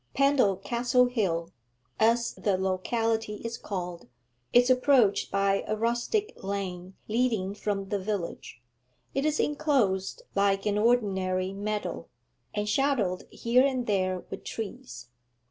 Pendal Castle Hill, as the locality is called, is approached by a rustic lane leading from the village; it is enclosed like an ordinary meadow, and shadowed here and there with trees.